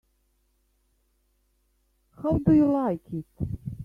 How do you like it?